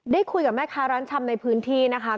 ได้คุยกับแม่ค้าร้านชำในพื้นที่นะคะ